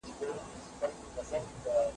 باسواده نجلۍ په کور کي نه کښېني.